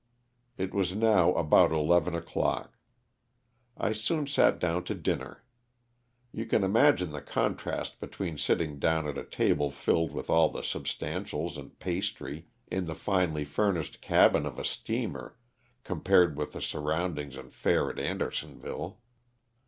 It was now about eleven o'clock. I soon sat down to dinner. You can imagine the contrast be tween sitting down at a table filled with all the sub stantials and pastry, in the finely furnished cabin of a steamer, compared with the surroundings and fare at Andersonville.